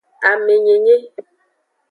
Amenyenye.